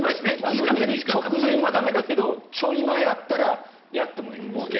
寝る直前は駄目だけどちょい前だったらやってもいい。